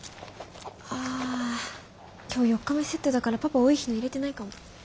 あ今日４日目セットだからパパ多い日の入れてないかも。